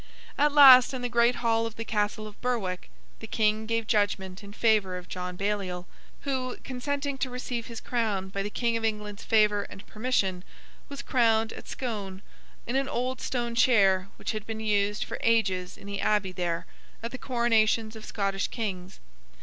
At last, in the great hall of the Castle of Berwick, the King gave judgment in favour of John Baliol: who, consenting to receive his crown by the King of England's favour and permission, was crowned at Scone, in an old stone chair which had been used for ages in the abbey there, at the coronations of Scottish Kings.